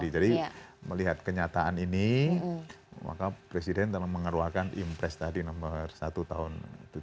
jadi melihat kenyataan ini maka presiden telah mengeluarkan impress tadi nomor satu tahun dua ribu tujuh belas